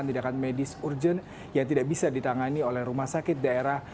tindakan medis urgent yang tidak bisa ditangani oleh rumah sakit daerah